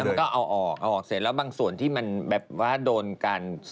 มันก็เอาออกเอาออกเสร็จแล้วบางส่วนที่มันแบบว่าโดนกัน